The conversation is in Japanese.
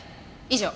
以上。